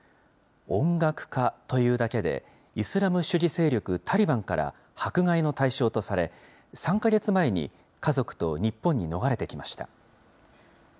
音楽家というだけで、イスラム主義勢力タリバンから迫害の対象とされ、３か月前に家族と日本に逃れてきました。